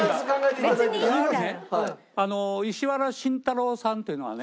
石原慎太郎さんっていうのはね